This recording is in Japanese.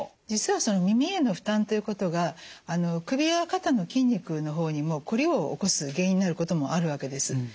実は耳への負担ということが首や肩の筋肉の方にもコリを起こす原因になることもあるわけです。